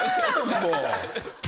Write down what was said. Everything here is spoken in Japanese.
もう。